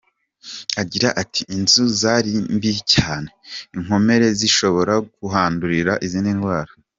Agira ati “Inzu zari mbi cyane inkomere zishobora kuhandurira izindi ndwara.